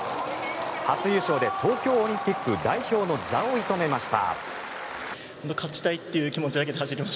初優勝で東京オリンピック代表の座を射止めました。